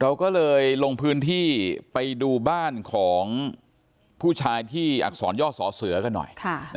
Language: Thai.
เราก็เลยลงพื้นที่ไปดูบ้านของผู้ชายที่อักษรย่อสอเสือกันหน่อย